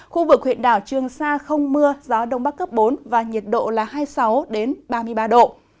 khu vực huyện đảo trường sa không mưa gió đông bắc cấp bốn và nhiệt độ là hai mươi sáu ba mươi ba độ